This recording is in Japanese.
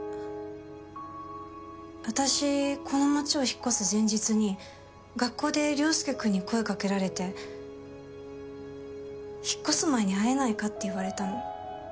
私この町を引っ越す前日に学校で良介君に声掛けられて引っ越す前に会えないかって言われたの。